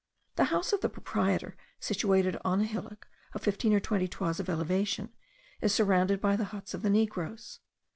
The house of the proprietor, situated on a hillock, of fifteen or twenty toises of elevation, is surrounded by the huts of the negroes.